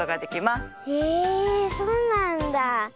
えそうなんだ。